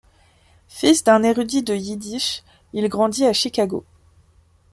Fils d'un érudit de yiddish, il grandit à Chicago.